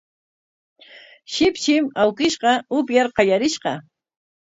Shipshim awkishqa upyar qallarishqa